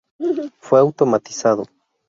Fue automatizado.